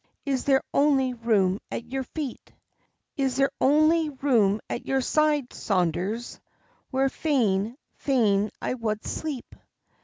Is there ony room at your feet? Is there ony room at your side, Saunders, Where fain, fain I wad sleep?"